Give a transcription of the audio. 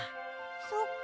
そうか。